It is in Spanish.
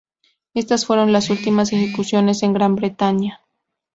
Estas fueron las últimas ejecuciones en Gran Bretaña.